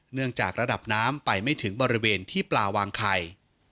เนื่องจากระดับน้ำไปไม่ถึงบริเวณที่ปลาวางไข่